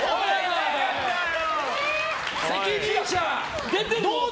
責任者！